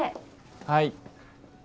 はい。